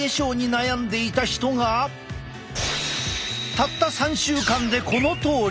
たった３週間でこのとおり！